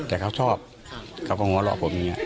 แต่เขาชอบเขาก็หัวหลอกผมอย่างเงี้ย